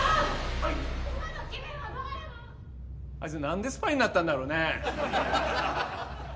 あいつ何でスパイになったんだろうね？